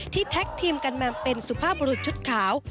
แท็กทีมกันมาเป็นสุภาพบรุษชุดขาว